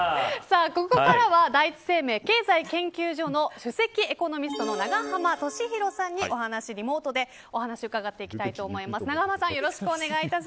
ここからは第一生命経済研究所の首席エコノミストの永濱利廣さんにリモートでお話を伺ってきたいと思います。